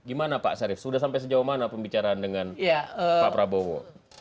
gimana pak syarif sudah sampai sejauh mana pembicaraan dengan pak prabowo